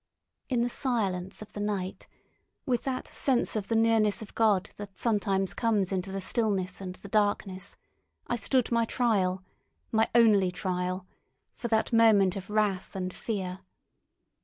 In the silence of the night, with that sense of the nearness of God that sometimes comes into the stillness and the darkness, I stood my trial, my only trial, for that moment of wrath and fear.